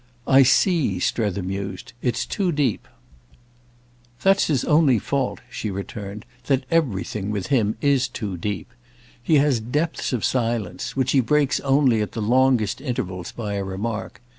"I see," Strether mused. "It's too deep." "That's his only fault," she returned—"that everything, with him, is too deep. He has depths of silence—which he breaks only at the longest intervals by a remark.